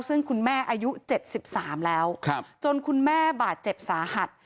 ซึ่งคุณแม่อายุเจ็ดสิบสามแล้วครับจนคุณแม่บาดเจ็บสาหัส